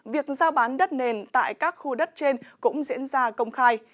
việc giao bán đất nền tại các khu đất trên cũng diễn ra công khai